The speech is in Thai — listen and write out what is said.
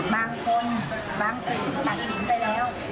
บางคนบางชิ้นตัดสินไปแล้ว